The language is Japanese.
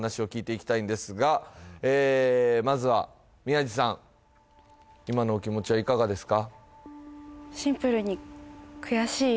まずは今のお気持ちはいかがですか？